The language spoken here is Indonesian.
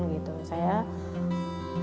saya tidak menolak